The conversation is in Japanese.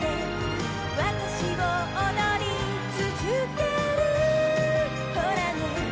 「わたしを踊りつづけるほらね」